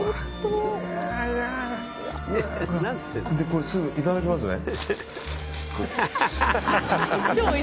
これ、すぐいただきますね。